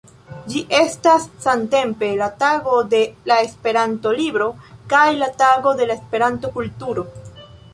Ĝi estas samtempe la Tago de la Esperanto-libro kaj la Tago de la Esperanto-kulturo.